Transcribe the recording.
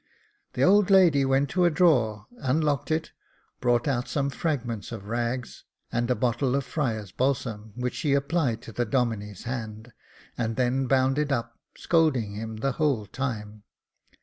The old lady went to a drawer, unlocked it, brought out some fragments of rags, 384 Jacob Faithful and a bottle of friar's balsam, which she applied to the Domine's hand, and then bound it up, scolding him the whole time.